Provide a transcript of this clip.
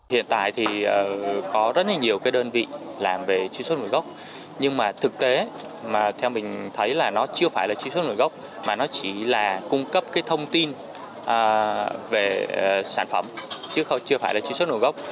hiện tại thì có rất nhiều đơn vị làm về truy xuất nguồn gốc nhưng mà thực tế theo mình thấy là nó chưa phải là truy xuất nguồn gốc mà nó chỉ là cung cấp thông tin về sản phẩm chứ chưa phải là truy xuất nguồn gốc